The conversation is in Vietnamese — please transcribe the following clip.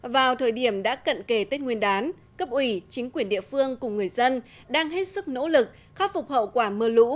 vào thời điểm đã cận kề tết nguyên đán cấp ủy chính quyền địa phương cùng người dân đang hết sức nỗ lực khắc phục hậu quả mưa lũ